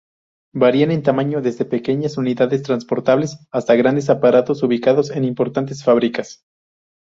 Varian en tamaño, desde pequeñas unidades transportables hasta grandes aparatos ubicados en importantes fábricas.